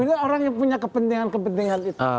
juga orang yang punya kepentingan kepentingan itu